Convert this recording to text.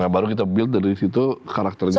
baru kita build dari situ karakternya